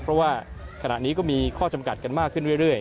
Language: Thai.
เพราะว่าขณะนี้ก็มีข้อจำกัดกันมากขึ้นเรื่อย